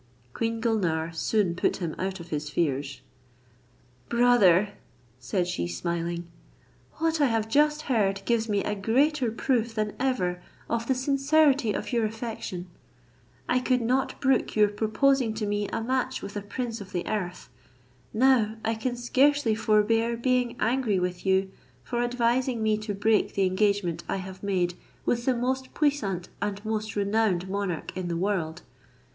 Queen Gulnare soon put him out of his fears. "Brother," said she smiling, "what I have just heard gives me a greater proof than ever of the sincerity of your affection; I could not brook your proposing to me a match with a prince of the earth: now I can scarcely forbear being angry with you for advising me to break the engagement I have made with the most puissant and most renowned monarch in the world.